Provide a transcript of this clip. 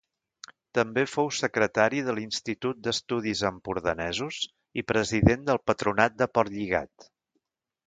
També fou secretari de l'Institut d'Estudis Empordanesos i president del Patronat de Portlligat.